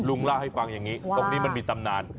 เล่าให้ฟังอย่างนี้ตรงนี้มันมีตำนาน